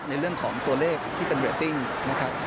ในเรื่องของตัวเลขที่เป็นเรตติ้งนะครับ